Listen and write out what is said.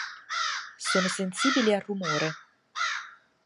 Sono sensibili al rumore.